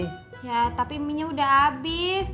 ya tapi mienya udah habis